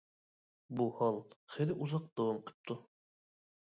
بۇ ھال خېلى ئۇزاق داۋام قىپتۇ.